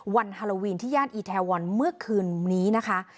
ฮาโลวีนที่ย่านอีแทวอนเมื่อคืนนี้นะคะ